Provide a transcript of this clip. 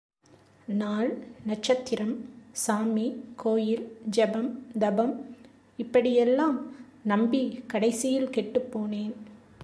நாள், நட்சத்திரம், சாமி, கோயில், ஜெபம், தபம் இப்படி யெல்லாம் நம்பிக் கடைசியில் கெட்டுப்போனேன்.